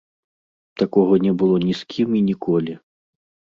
Такога не было ні з кім і ніколі.